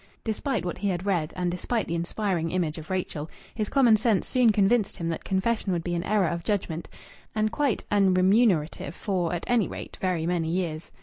Despite what he had read, and despite the inspiring image of Rachel, his common sense soon convinced him that confession would be an error of judgment and quite unremunerative for, at any rate, very many years.